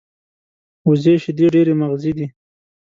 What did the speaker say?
وزې شیدې ډېرې مغذي دي